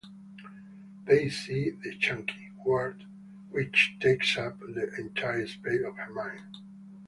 They see the "Chunky" word which takes up the entire space of her mind.